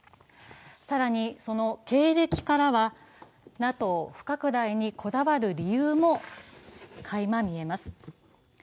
更にその経歴からは、ＮＡＴＯ不拡大にこだわる理由もかいま見えます。